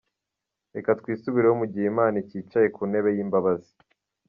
Reka twisubireho mu gihe Imana icyicaye ku ntebe y’imbabazi!